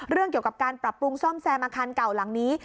เรื่องเกี่ยวกับการปรับปรุงซ่อมแซมอาคารเก่าหลังนี้